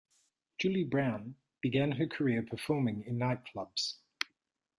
Julie Brown began her career performing in nightclubs.